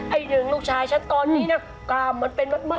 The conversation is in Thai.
ไอหนึ่งลูกชายฉันตอนนี้กล้ามเหมือนเป็นมะ